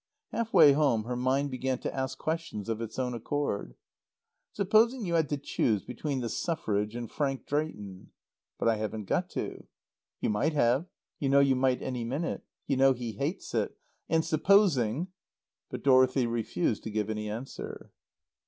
Half way home her mind began to ask questions of its own accord. "Supposing you had to choose between the Suffrage and Frank Drayton?" "But I haven't got to." "You might have. You know you might any minute. You know he hates it. And supposing " But Dorothy refused to give any answer.